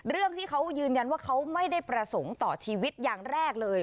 เรื่องที่เขายืนยันว่าเขาไม่ได้ประสงค์ต่อชีวิตอย่างแรกเลย